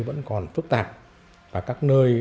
vẫn còn phức tạp và các nơi